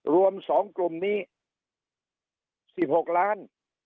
รวมสองกลุ่มนี้สิบหกล้าน